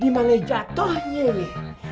dimana jatohnya ini